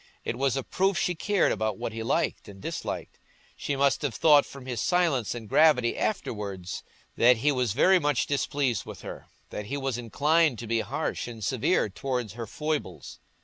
It was a proof she cared about what he liked and disliked. She must have thought from his silence and gravity afterwards that he was very much displeased with her, that he was inclined to be harsh and severe towards her foibles.